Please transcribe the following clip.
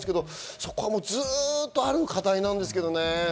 そこはずっとある課題なんですけどね。